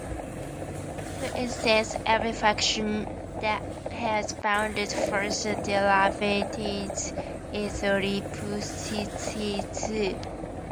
For instance, every function that has bounded first derivatives is Lipschitz.